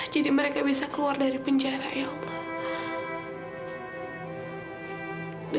jadi mereka bisa keluar dari penjara ya allah